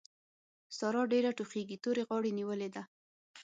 سارا ډېره ټوخېږي؛ تورې غاړې نيولې ده.